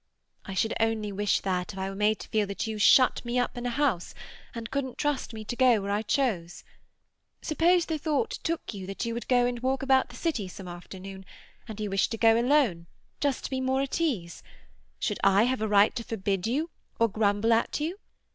"I should only wish that if I were made to feel that you shut me up in a house and couldn't trust me to go where I chose. Suppose the thought took you that you would go and walk about the City some afternoon, and you wished to go alone, just to be more at ease, should I have a right to forbid you, or grumble at you?